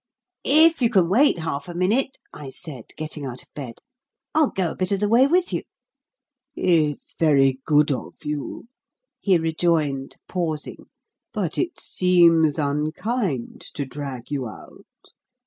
"If you can wait half a minute," I said, getting out of bed, "I'll go a bit of the way with you." "It's very good of you," he rejoined, pausing, "but it seems unkind to drag you out."